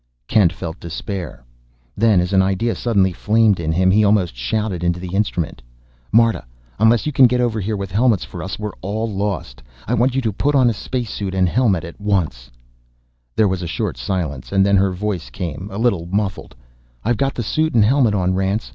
Kent felt despair; then as an idea suddenly flamed in him, he almost shouted into the instrument: "Marta, unless you can get over here with helmets for us, we're all lost. I want you to put on a space suit and helmet at once!" There was a short silence, and then her voice came, a little muffled. "I've got the suit and helmet on, Rance.